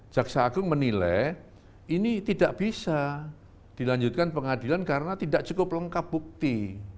jaksa agung menilai ini tidak bisa dilanjutkan pengadilan karena tidak cukup lengkap bukti